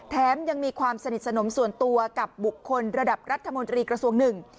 แถมยังมีความสนิทสนมส่วนตัวกับบุคคลระดับรัฐมนตรีครัศวงค์๑